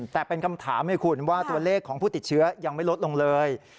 แต่เป็นคำถามให้คุณว่าตัวเลขของผู้ติดเชื้อยังไม่ลดลงเลย